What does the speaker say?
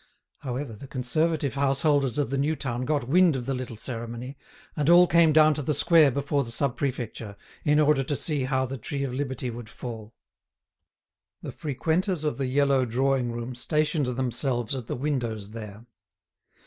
However, the conservative householders of the new town got wind of the little ceremony, and all came down to the square before the Sub Prefecture in order to see how the tree of Liberty would fall. The frequenters of the yellow drawing room stationed themselves at the windows there.